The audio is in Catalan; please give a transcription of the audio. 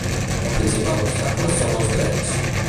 El principal obstacle són els drets.